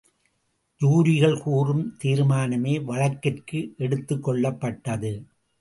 ஜூரிகள் கூறும் தீர்மானமே வழக்கிற்கு எடுத்துக் கொள்ளப்பட்டது.